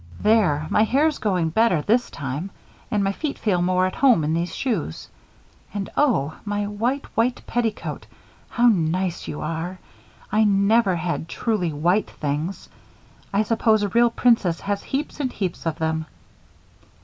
"There! my hair's going better this time. And my feet feel more at home in these shoes. And oh! My white, white petticoat how nice you are! I never had truly white things. I suppose a real princess has heaps and heaps of them."